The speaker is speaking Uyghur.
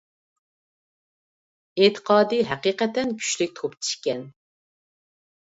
ئېتىقادى ھەقىقەتەن كۈچلۈك توپچى ئىكەن